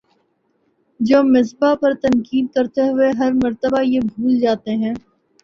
جو مصباح پر تنقید کرتے ہوئے ہر مرتبہ یہ بھول جاتے ہیں